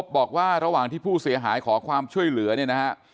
บอกว่าระหว่างที่ผู้เสียหายขอความช่วยเหลือเนี่ยนะฮะ